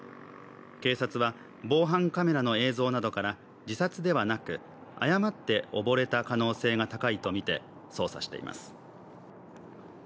警察は防犯カメラの映像などから、自殺ではなく誤って溺れた可能性が高いとみて捜査しています。